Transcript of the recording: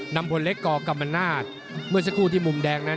นำพลเล็กกกรรมนาศเมื่อสักครู่ที่มุมแดงนั้น